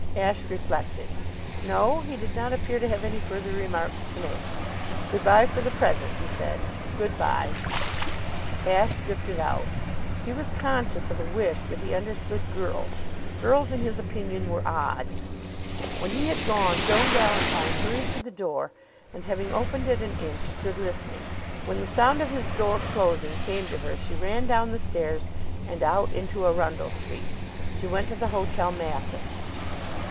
Ashe reflected. No; he did not appear to have any further remarks to make. "Good by for the present," he said. "Good by." Ashe drifted out. He was conscious of a wish that he understood girls. Girls, in his opinion, were odd. When he had gone Joan Valentine hurried to the door and, having opened it an inch, stood listening. When the sound of his door closing came to her she ran down the stairs and out into Arundell Street. She went to the Hotel Mathis.